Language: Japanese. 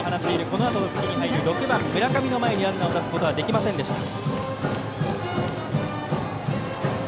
このあと、打席に入る６番、村上の前にランナーを出すことはできませんでした。